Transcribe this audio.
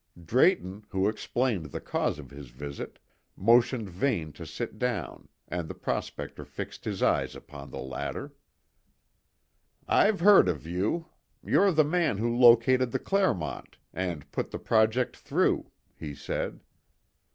Drayton, who explained the cause of his visit, motioned Vane to sit down, and the prospector fixed his eyes upon the latter. "I've heard of you. You're the man who located the Clermont and put the project through," he said.